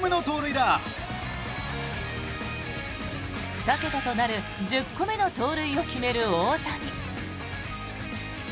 ２桁となる１０個目の盗塁を決める大谷。